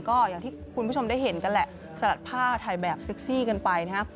ก็อย่างที่คุณผู้ชมได้เห็นกันแหละสลัดผ้าถ่ายแบบเซ็กซี่กันไปนะครับ